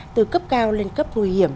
từ cấp cao lên cấp nguy hiểm